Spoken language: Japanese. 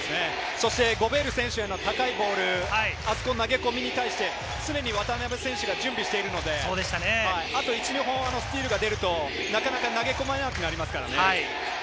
ゴベール選手への高いボール、投げ込みに対して常に渡邊選手が準備しているので、あと１２本、スティールが出ると投げ込まれなくなりますからね。